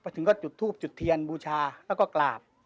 ถึงก็จุดทูบจุดเทียนบูชาแล้วก็กราบ